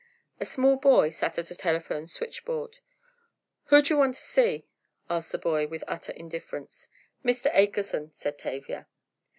A small boy sat at a telephone switchboard. "Who d'yer wanta see?" asked the boy, with utter indifference. "Mr. Akerson," said Tavia.